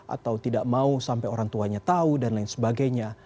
atau tidak mau sampai orang tuanya tahu dan lain sebagainya